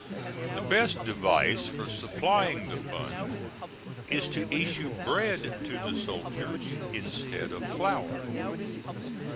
The best device for supplying the fund is to issue bread to the soldiers instead of flour.